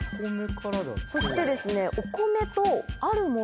そしてですね。